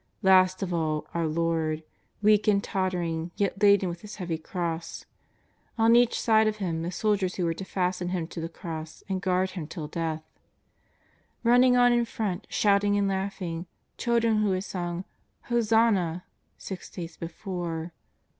Last of all, our Lord, weak and tottering, yet laden with His heavy cross. On each side of Him the soldiers who were to fasten Hin? to the cross and guard Him till death. Rumiing on in front, shouting and laughing, children v^ho had «ung " Hosanna !" six days before.